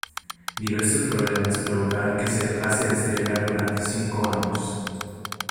Diversos problemas provocaron que se dejase de celebrar durante cinco años.